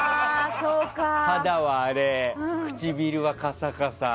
肌は荒れ唇はカサカサ。